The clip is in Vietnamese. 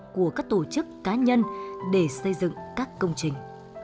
của các tổ chức cá nhân để xây dựng các công trình